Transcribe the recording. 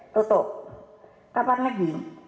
tutup kapan lagi